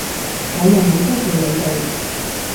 我又冇得罪你哋！